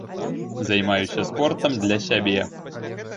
Займаюся спортам для сябе.